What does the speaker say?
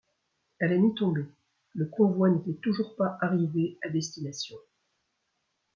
À la nuit tombée, le convoi n’était toujours pas arrivé à destination.